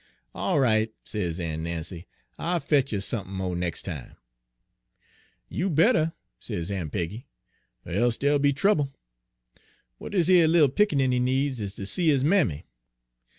'All right,' sez Aun' Nancy, 'I'll fetch you sump'n mo' nex' time.' " 'You bettah,' sez Aun' Peggy, 'er e'se dey'll be trouble. W'at dis yer little pickaninny needs is ter see his mammy.